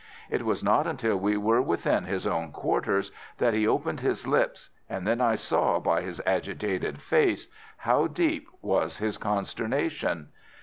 It was not until we were within his own quarters that he opened his lips, and then I saw by his agitated face how deep was his consternation.